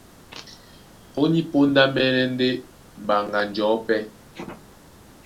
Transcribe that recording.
Ó ní póndá mɛ́nɛ́ ndé mbaŋga njɔ̌ pɛ́,